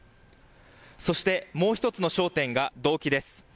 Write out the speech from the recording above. そしてもう１つの焦点が動機です。